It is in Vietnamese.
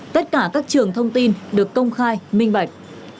tất cả các trường thông tin được công khai minh bạch